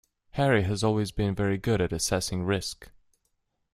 Harry has always been very good at assessing risk